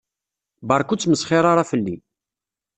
Beṛka ur tmesxiṛ ara fell-i.